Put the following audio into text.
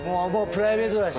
プライベートだし。